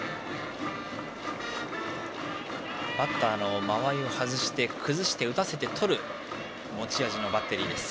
バッターの間合いを外して崩して打たせてとるのが持ち味のバッテリーです。